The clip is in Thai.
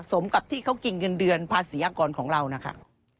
สมกับที่เขากินเงินเดือนภาษีอากรของเรานะคะ